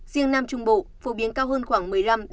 riêng nam trung bộ phổ biến cao hơn khoảng một mươi năm ba mươi